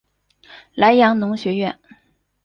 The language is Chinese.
莱阳农学院。